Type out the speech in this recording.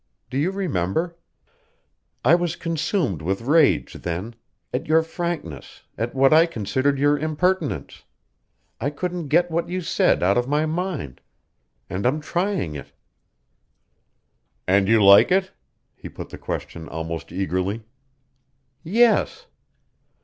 Do you remember? I was consumed with rage then at your frankness, at what I considered your impertinence. I couldn't get what you said out of my mind. And I'm trying it." "And you like it?" He put the question almost eagerly. "Yes."